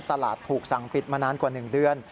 ตลาดถูกสั่งปิดมานานกว่า๑เดือน